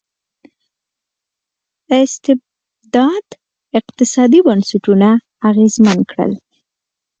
استبداد اقتصادي بنسټونه اغېزمن کړل.